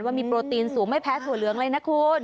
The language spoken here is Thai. ว่ามีโปรตีนสูงไม่แพ้ถั่วเหลืองเลยนะคุณ